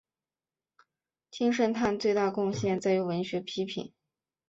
金圣叹最大贡献在于文学批评。